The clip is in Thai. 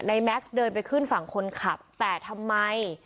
แม็กซ์เดินไปขึ้นฝั่งคนขับแต่ทำไม